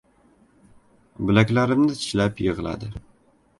Bilaklarimni tishlab yig‘ladi.